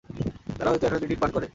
তারা হয়তো energy drink পান করে।